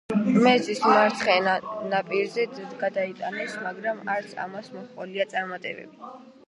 მეზის მარცხენა ნაპირზე გადაიტანეს, მაგრამ არც ამას მოჰყოლია წარმატებები.